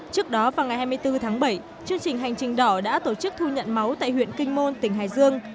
trước đó vào ngày hai mươi bốn tháng bảy chương trình hành trình đỏ đã tổ chức thu nhận máu tại huyện kinh môn tỉnh hải dương